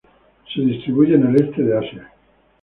Se distribuye en el este de Asia.